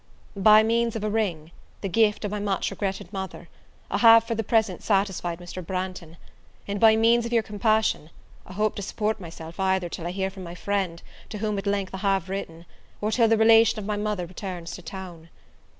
By means of a ring, the gift of my much regretted mother, I have for the present satisfied Mr. Branghton; and, by means of your compassion, I hope to support myself either till I hear from my friend, to whom at length I have written, or till the relation of my mother returns to town.